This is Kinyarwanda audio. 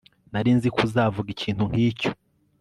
Nari nzi ko uzavuga ikintu nkicyo